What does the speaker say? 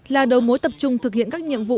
là đầu mối tập trung thực hiện các nhiệm vụ